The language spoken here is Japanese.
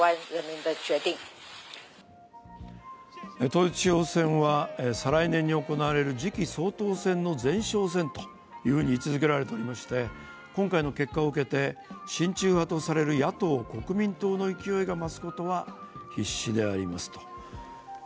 統一地方選は再来年に行われる次期総統選の前哨戦と位置づけられておりまして今回の結果を受けて、親中派とされる野党・国民党の勢いが増すことは必至であります。